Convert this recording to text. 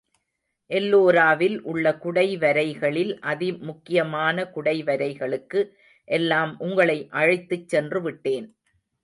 எல்லோராவில் உள்ள குடைவரைகளில் அதிமுக்கியமான குடைவரைகளுக்கு எல்லாம் உங்களை அழைத்துச் சென்றுவிட்டேன்.